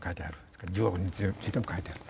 それから地獄についても書いてある。